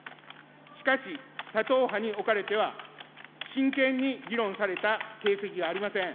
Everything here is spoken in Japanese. しかし、他党派におかれては、真剣に議論された形跡がありません。